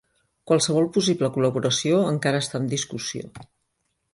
Qualsevol possible col·laboració encara està en discussió.